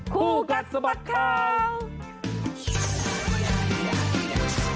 คูกัตสบัดข่าว